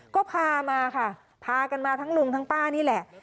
ก็พามาค่ะพากันมาทั้งลุงทั้งป้านี่แหละ